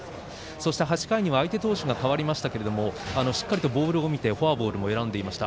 ８回には相手投手が代わりましたがしっかりとボールを見てフォアボールも選んでいました。